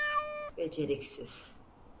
Beceriksiz.